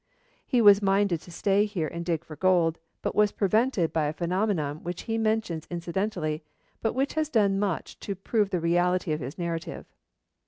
He was minded to stay here and dig for gold, but was prevented by a phenomenon which he mentions incidentally, but which has done much to prove the reality of his narrative.